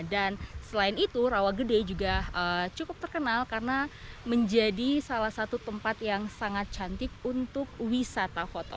dan selain itu rawagede juga cukup terkenal karena menjadi salah satu tempat yang sangat cantik untuk wisata foto